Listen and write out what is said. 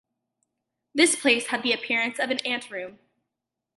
This place had the appearance of an ante-room.